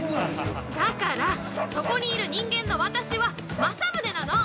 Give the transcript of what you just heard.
◆だから、そこにいる人間の私は、まさむねなの！